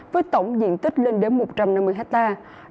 với tổng diện tích lên đến một trăm năm mươi hectare